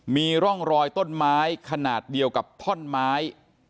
มีร่องรอยต้นไม้ขนาดเดียวกับท่อนไม้